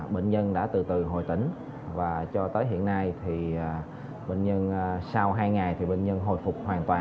bệnh nhân đã từ từ hồi tỉnh và cho tới hiện nay thì bệnh nhân sau hai ngày thì bệnh nhân hồi phục hoàn toàn